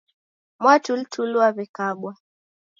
Mwatulituli wawekabwa